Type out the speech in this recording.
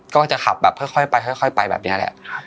ก็จะขับแบบค่อยไปค่อยไปแบบนี้แหละ